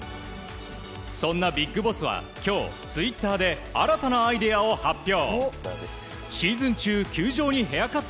そんなビッグボスは今日、ツイッターで新たなアイデアを発表。